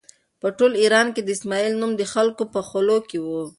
په ټول ایران کې د اسماعیل نوم د خلکو په خولو کې و.